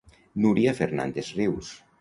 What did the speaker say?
Núria Fernández Rius.